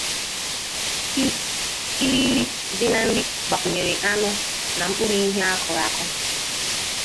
Irighiri dị na nri gbakwunyere anụ na mkpụrụ ihe akụrụ akụ.